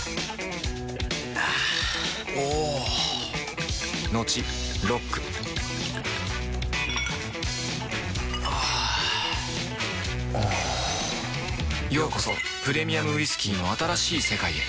あぁおぉトクトクあぁおぉようこそプレミアムウイスキーの新しい世界へ